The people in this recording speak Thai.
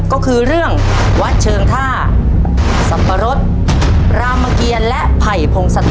ก็คือเรื่องวัดเชิงท่าสับปะรดรามเกียรและไผ่พงศธร